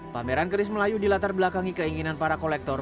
pameran keris melayu dilatar belakangi keinginan para kolektor